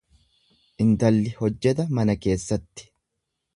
Intalli hojjeta mana keessatti.